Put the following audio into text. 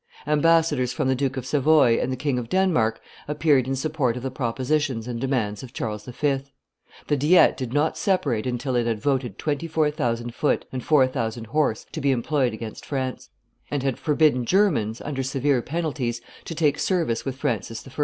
Ambassadors from the Duke of Savoy and the King of Denmark appeared in support of the propositions and demands of Charles V. The diet did not separate until it had voted twenty four thousand foot and four thousand horse to be employed against France, and had forbidden Germans, under severe penalties, to take service with Francis I.